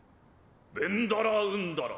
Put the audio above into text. ベンダラウンダラ。